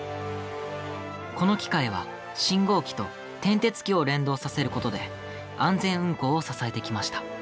この機械は、信号機と転てつ機を連動させることで安全運行を支えてきました。